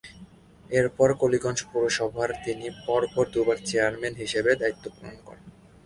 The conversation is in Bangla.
এরপর কালিগঞ্জ পৌরসভার তিনি পরপর দু’বার চেয়ারম্যান হিসেবে দায়িত্ব পালন করেন।